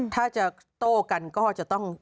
ถ้าจะโต้กันก็จะต้อง